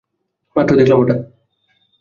মাত্রই দেখলাম ওটা।